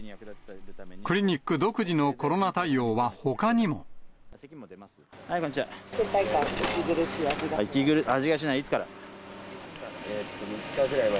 クリニック独自のコロナ対応はほこんにちは。